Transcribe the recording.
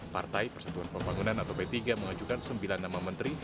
partai persatuan pembangunan atau p tiga mengajukan sembilan nama menteri